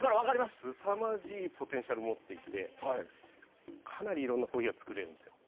すさまじいポテンシャルを持っていてかなりいろんなコーヒーが作れるんですよ。